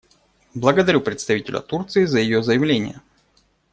Благодарю представителя Турции за ее заявление.